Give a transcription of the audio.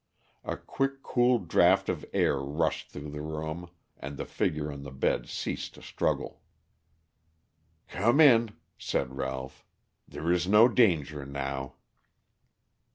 A quick cool draught of air rushed through the room, and the figure on the bed ceased to struggle. "Come in," said Ralph. "There is no danger now."